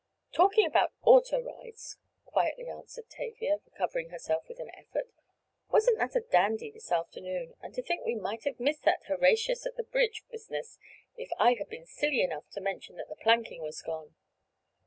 "Talking about auto rides," quietly answered Tavia, recovering herself with an effort. "Wasn't that a dandy this afternoon? And to think we might have missed that 'Horatius at the bridge' business if I had been silly enough to mention that the planking was gone!"